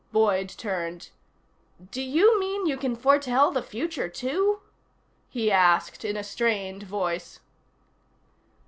Boyd turned. "Do you mean you can foretell the future, too?" he asked in a strained voice.